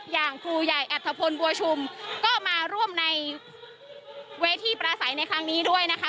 อย่างครูใหญ่อัธพลบัวชุมก็มาร่วมในเวทีประสัยในครั้งนี้ด้วยนะคะ